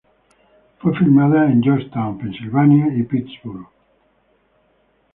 Fue filmada en Johnstown, Pensilvania, y Pittsburgh.